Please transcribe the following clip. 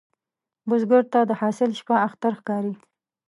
بزګر ته د حاصل شپه اختر ښکاري